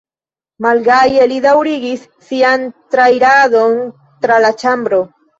Malgaje li daŭrigis sian trairadon tra la ĉambro.